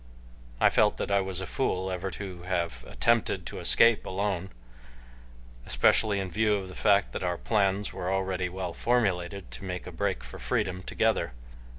I felt that I was a fool ever to have attempted to escape alone, especially in view of the fact that our plans were already well formulated to make a break for freedom together.